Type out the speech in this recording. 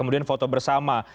kemudian foto bersama